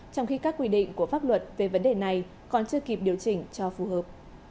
trong khi các quy định của pháp luật về vấn đề này còn chưa kịp điều chỉnh cho phù hợp